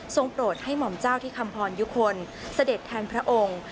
โปรดให้หม่อมเจ้าที่คำพรยุคลเสด็จแทนพระองค์